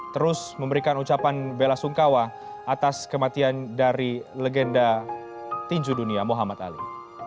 terus memberikan ucapan bela sungkawa atas kematian dari legenda tinju dunia muhammad ali